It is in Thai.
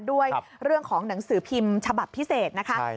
ด้วยเรื่องของหนังสือพิมพ์ฉบับพิเศษนะคะ